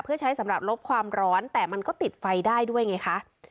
เพื่อใช้สำหรับลบความร้อนแต่มันก็ติดไฟได้ด้วยไงคะ